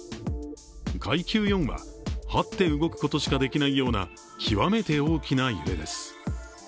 階級４は、はって動くことしかできないような極めて大きな揺れです。